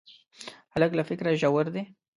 هلک له فکره ژور دی.